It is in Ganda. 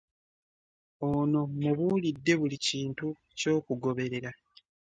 Ono mubuulidde buli kintu ky'okugoberera.